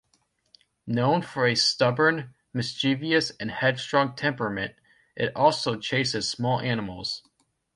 Known for a stubborn, mischievous, and headstrong temperament, it also chases small animals.